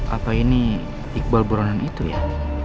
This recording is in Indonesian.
apa ini iqbal buronan itu ya